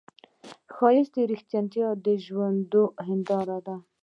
ښایست د رښتینې ژوندو هنداره ده